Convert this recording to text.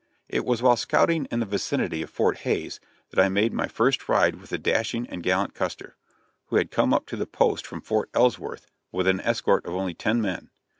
It was while scouting in the vicinity of Fort Hays that I had my first ride with the dashing and gallant Custer, who had come up to the post from Fort Ellsworth with an escort of only ten men.